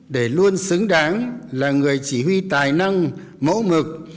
để luôn xứng đáng là người chỉ huy tài năng mẫu mực